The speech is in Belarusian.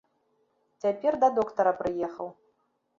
Цяпер да доктара прыехаў.